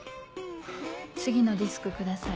次のディスクください。